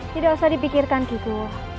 tidak usah dipikirkan kiko